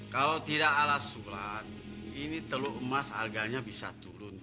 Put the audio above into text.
kalau tidak alas surat ini telur emas harganya bisa turun